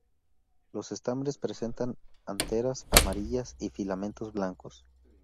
Los estambres presentan anteras amarillas y filamentos blancos.